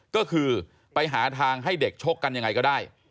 ก็คือไปหาทางให้เด็กชกกันยังไงก็ได้